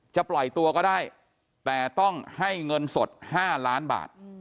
จะปล่อยตัวก็ได้แต่ต้องให้เงินสด๕ล้านบาท